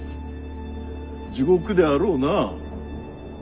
地獄であろうな。